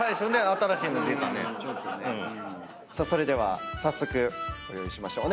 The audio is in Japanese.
それでは早速ご用意しましょう。